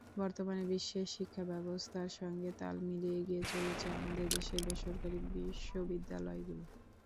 বর্তমানে বিশ্বের শিক্ষাব্যবস্থার সঙ্গে তাল মিলিয়ে এগিয়ে চলছে আমাদের দেশের বেসরকারি বিশ্ববিদ্যালয়গুলো।